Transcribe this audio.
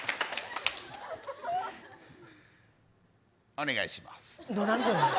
お願いします。